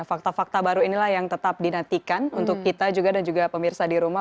fakta fakta baru inilah yang tetap dinantikan untuk kita juga dan juga pemirsa di rumah